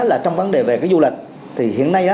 là trong vấn đề về cái du lịch thì hiện nay